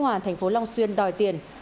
công an thành phố long xuyên đòi tiền